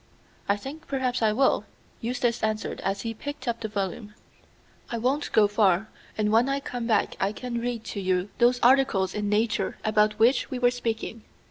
"I think perhaps I will," Eustace answered as he picked up the volume. "I won't go far, and when I come back I can read to you those articles in Nature about which we were speaking."